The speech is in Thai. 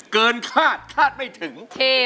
เกินคาดคาดไม่ถึง